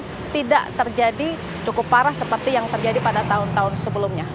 ini tidak terjadi cukup parah seperti yang terjadi pada tahun tahun sebelumnya